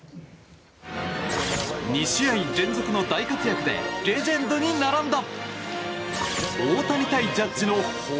２試合連続の大活躍でレジェンドに並んだ！